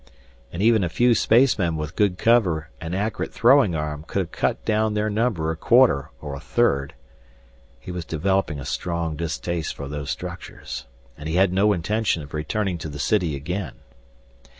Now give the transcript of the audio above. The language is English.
And even a few spacemen with good cover and accurate throwing aim could have cut down their number a quarter or a third. He was developing a strong distaste for those structures. And he had no intention of returning to the city again.